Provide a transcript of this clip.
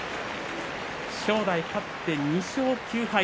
正代、勝って２勝９敗。